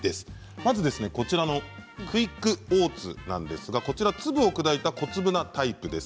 まず、こちらのクイックオーツなんですが粒を砕いた小粒なタイプです。